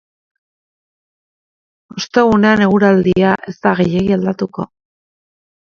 Ostegunean eguraldia ez da gehiegi aldatuko.